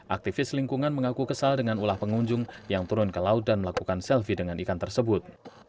aktivis lingkungan mengaku kesal dengan ulah pengunjung yang turun ke laut dan melakukan selfie dengan ikan tersebut